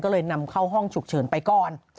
ก็เลยนำเข้าห้องฉุกเฉินไปก่อน